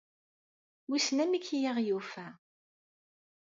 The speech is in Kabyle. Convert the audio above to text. Wissen amek i aɣ-yufa ?